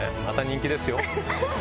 また人気ですよ。